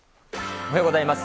おはようございます。